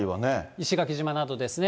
石垣島などですね。